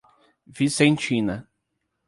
Vicentina